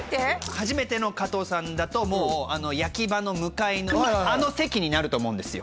初めての加藤さんだともう焼き場の向かいのあの席になると思うんですよ